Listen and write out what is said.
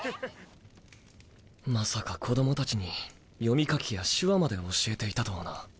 まさか子供たちに読み書きや手話まで教えていたとはな。